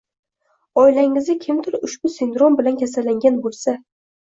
Oilangizda kimdir ushbu sindrom bilan kasallangan bo‘lsa